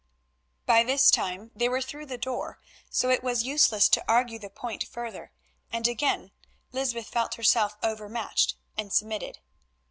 By this time they were through the door, so it was useless to argue the point further, and again Lysbeth felt herself overmatched and submitted.